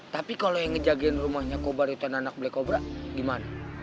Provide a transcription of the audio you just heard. tapi kalau yang ngejagain rumahnya kobar itu anak black cobra gimana